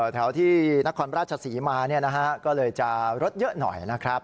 แถวที่นครราชศรีมาก็เลยจะรถเยอะหน่อยนะครับ